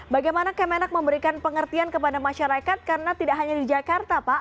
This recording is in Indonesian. bagaimana kemenak memberikan pengertian kepada masyarakat karena tidak hanya di jakarta pak